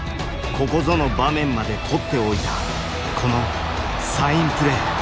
ここぞの場面まで取っておいたこのサインプレー。